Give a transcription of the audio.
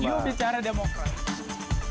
yuk bicara demokrasi